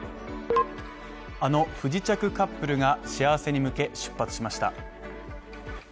あの「不時着カップル」が幸せに向け、出発しました。